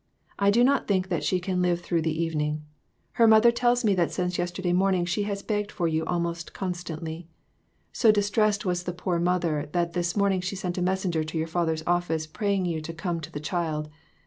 I do not think that she can live through the evening. Her mother tells me that since yesterday morning she has begged for you almost con stantly. So distressed was the poor mother, that this morning she sent a messenger to your father's office praying you to come to the child.